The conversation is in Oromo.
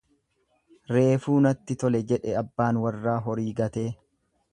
Reefuu natti tole jedhe abbaan warraa horii gatee.